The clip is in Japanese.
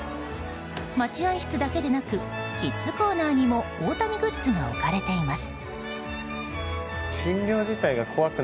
待合室だけでなくキッズコーナーにも大谷グッズが置かれています。